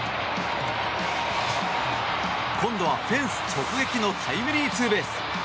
今度はフェンス直撃のタイムリーツーベース。